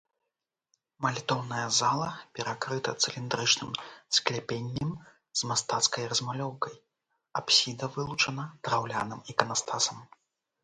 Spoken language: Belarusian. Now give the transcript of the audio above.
Малітоўная зала перакрыта цыліндрычным скляпеннем з мастацкай размалёўкай, апсіда вылучана драўляным іканастасам.